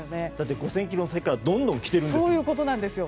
５０００ｋｍ先からどんどんきているんですね。